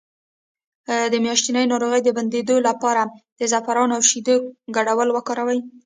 د میاشتنۍ ناروغۍ د بندیدو لپاره د زعفران او شیدو ګډول وکاروئ